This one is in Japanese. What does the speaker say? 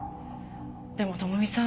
でも朋美さん